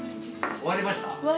終わりました！